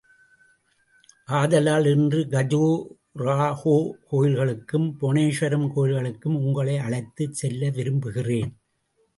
ஆதலால் இன்று கஜுராஹோ கோயில்களுக்கும் புவனேஸ்வரம் கோயில்களுக்கும் உங்களை அழைத்துச் செல்ல விரும்புகிறேன்.